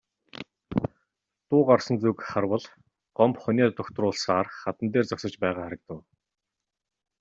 Дуу гарсан зүг харвал Гомбо хонио дугтруулсаар хадан дээр зогсож байгаа харагдав.